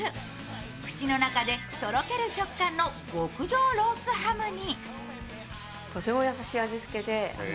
口の中でとろける食感の極上ロースハムに。